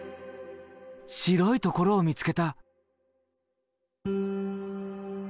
白いところを見つけた。